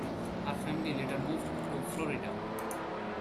Her family later moved to Florida.